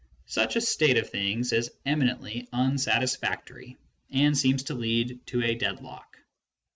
Such a state of things is eminently unsatisfactory, and seems to lead to a deadlock.